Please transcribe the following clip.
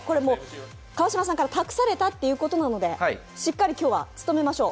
川島さんから託されたということなので、しっかり今日は務めましょう。